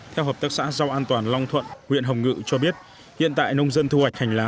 theo hợp tác xã rau an toàn long thuận huyện hồng ngự cho biết hiện tại nông dân thu hoạch hành lá